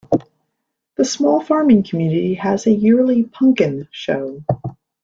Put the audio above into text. The small farming community has a yearly "Punkin' Show".